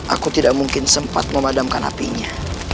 aku tidak mungkin sempat memadamkan apinya